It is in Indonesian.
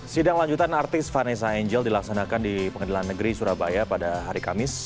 sidang lanjutan artis vanessa angel dilaksanakan di pengadilan negeri surabaya pada hari kamis